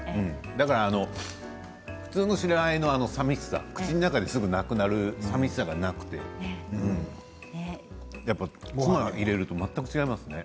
だから普通の白あえのさみしさ口の中ですぐなくなるさみしさがなくてツナ入れると全く違いますね。